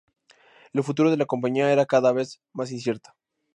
El futuro de la compañía era cada vez más incierto.